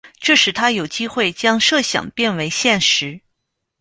这使他有机会将设想变为现实。